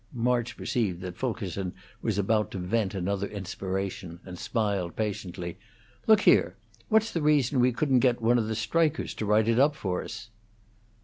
March perceived that Fulkerson was about to vent another inspiration, and smiled patiently. "Look here! What's the reason we couldn't get one of the strikers to write it up for us?"